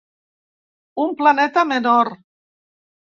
Un planeta menor.